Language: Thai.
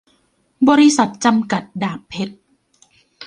บจก.ดาบเพ็ชร์